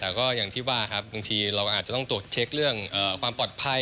แต่ก็อย่างที่ว่าครับบางทีเราอาจจะต้องตรวจเช็คเรื่องความปลอดภัย